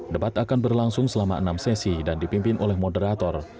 debat akan berlangsung selama enam sesi dan dipimpin oleh moderator